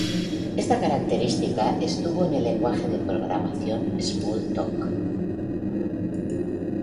Esta característica estuvo en el lenguaje de programación "SmallTalk".